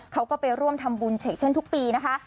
เขาก็ไปร่วมทำบุญเฉกเช่นทุกปีนะคะ